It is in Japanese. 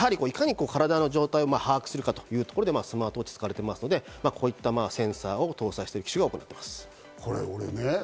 いかに体の状態を把握するかというところがあると思いますので、こういったセンサーを搭載してる機種が多くなっています。